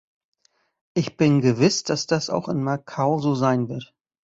Ich bin gewiss, dass das auch in Macau so sein wird.